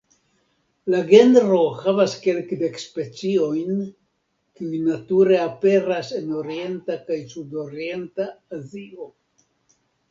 La genro havas kelkdek speciojn, kiuj nature aperas en orienta kaj sudorienta Azio.